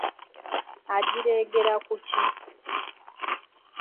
Agireegera ku ki?